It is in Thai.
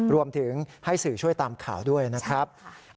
รวมถึงให้สื่อช่วยตามข่าวด้วยนะครับ